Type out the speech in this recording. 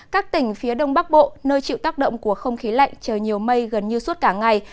các tỉnh phía đông bắc bộ nơi chịu tác động của không khí lạnh trời nhiều mây gần như suốt cả ngày